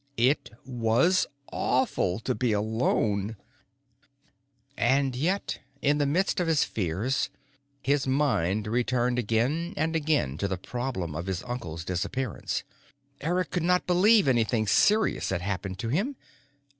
It was awful to be alone. And yet, in the midst of his fears, his mind returned again and again to the problem of his uncle's disappearance. Eric could not believe anything serious had happened to him.